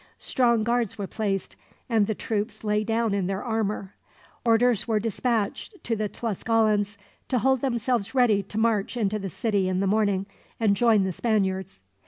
Strong guards were placed, and the troops lay down in their armor. Orders were dispatched, to the Tlascalans, to hold themselves ready to march into the city in the morning, and join the Spaniards.